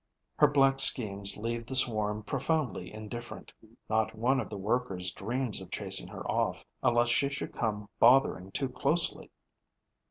Her black schemes leave the swarm profoundly indifferent; not one of the workers dreams of chasing her off, unless she should come bothering too closely.